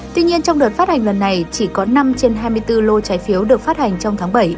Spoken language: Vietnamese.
tuy nhiên trong đợt phát hành lần này chỉ có năm trên hai mươi bốn lô trái phiếu được phát hành trong tháng bảy